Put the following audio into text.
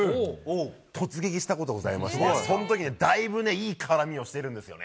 突撃したことございまして、そのとき、だいぶいい絡みをしているんですよね。